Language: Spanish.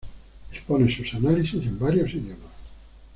Expone sus análisis en varios idiomas.